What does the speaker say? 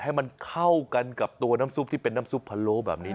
ให้มันเข้ากันกับตัวน้ำซุปที่เป็นน้ำซุปพะโล้แบบนี้